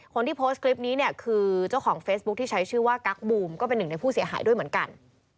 คนที่โพสต์คลิปนี้เนี่ยคือเจ้าของเฟซบุ๊คที่ใช้ชื่อว่ากั๊กบูมก็เป็นหนึ่งในผู้เสียหายด้วยเหมือนกัน